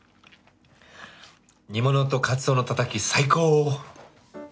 煮物とカツオのたたき最高。